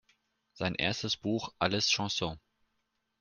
Sein erstes Buch "Alles Chanson!